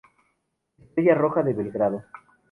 Estrella Roja de Belgrado